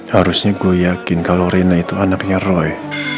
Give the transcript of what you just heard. harusnya gue yakin kalau rina itu anaknya roy